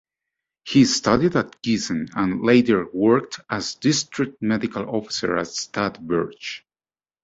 He studied at Giessen and later worked as district medical officer at Stadtberge.